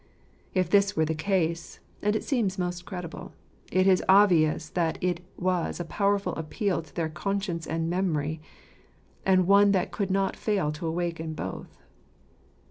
If this were the case— and it seems most credible — it is obvious that it was a powerful appeal to their conscience and memory, and one that could not fail to awaken both.